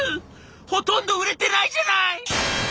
ほとんど売れてないじゃない！」。